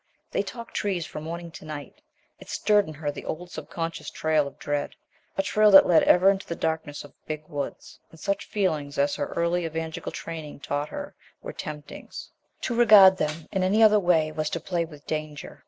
They talked trees from morning to night. It stirred in her the old subconscious trail of dread, a trail that led ever into the darkness of big woods; and such feelings, as her early evangelical training taught her, were temptings. To regard them in any other way was to play with danger.